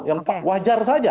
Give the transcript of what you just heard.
yang wajar saja